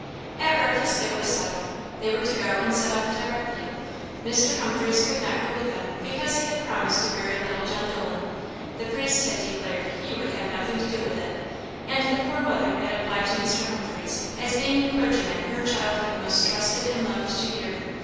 At breakfast it was settled. They were to go, and set off directly. Mr. Humphreys could not go with them, because he had promised to bury little John Dolan; the priest had declared he would have nothing to do with it; and the poor mother had applied to Mr. Humphreys, as being the clergyman her child had most trusted and loved to hear.